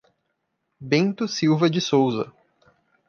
Bento Silva de Souza